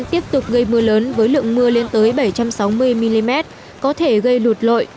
tiếp tục gây mưa lớn với lượng mưa lên tới bảy trăm sáu mươi mm có thể gây lụt lội